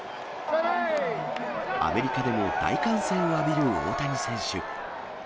アメリカでも大歓声を浴びる大谷選手。